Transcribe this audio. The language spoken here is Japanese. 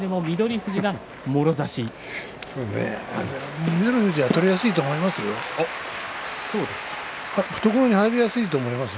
富士は取りやすいと思いますよ。